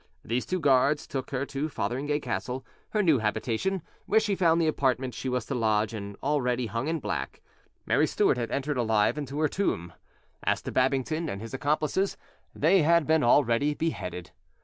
These two guards took her to Fotheringay Castle, her new habitation, where she found the apartment she was to lodge in already hung in black. Mary Stuart had entered alive into her tomb. As to Babington and his accomplices, they had been already beheaded.